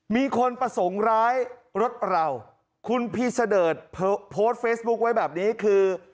มีคนประสงค์ร้ายรถเราคุณพีเสดิร์ดโพสต์เฟซบุ๊คไว้แบบนี้คือ